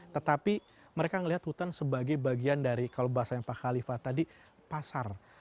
tetapi mereka melihat hutan sebagai bagian dari kalau bahasanya pak khalifah tadi pasar